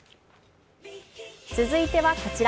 続いてはこちら。